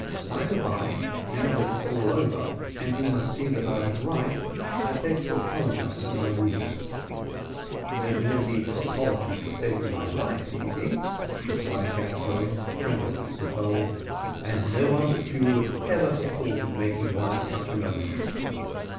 By the bye, now that it's all over, and you must see that I was right, I beg to apologise for my rudeness." "There needs no apology for saving my life, Easy," replied Gascoigne, trembling with the cold; "and no one but you would ever have thought of making one at such a moment."